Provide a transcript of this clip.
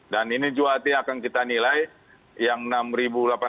dan ini juga akan kita nilai yang enam delapan ratus an